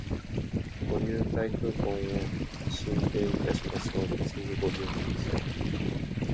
ご優待クーポンを進呈いたしますので、ぜひご利用ください